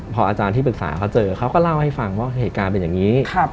พออาจารย์ที่ปรึกษาเขาเจอเขาก็เล่าให้ฟังว่าเหตุการณ์เป็นอย่างนี้